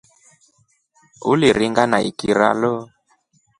Uliringa na ikira lo.